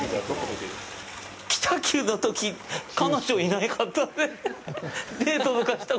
北九のとき、彼女、いなかったので。